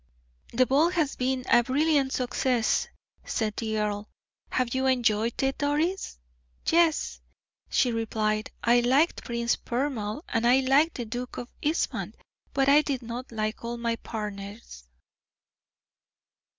"The ball has been a brilliant success," said the earl. "Have you enjoyed it, Doris?" "Yes," she replied, "I liked Prince Poermal, and I liked the Duke of Eastham, but I did not like all my partners."